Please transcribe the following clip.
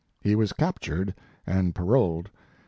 He was captured and paroled.